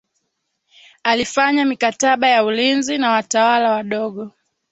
alifanya mikataba ya ulinzi na watawala wadogo